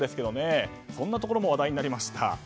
そんなところも話題になりました。